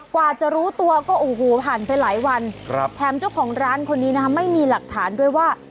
กว่าจะรู้ตัวก็โอ้โหผ่านไปหลายวันแถมเจ้าของร้านคนนี้นะคะไม่มีหลักฐานด้วยว่า